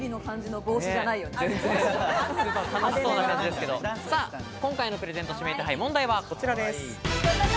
楽しそうな感じですけど、今回のプレゼント指名手配、問題はこちらです。